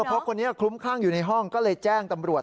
เพราะคนนี้คลุ้มคลั่งอยู่ในห้องก็เลยแจ้งตำรวจ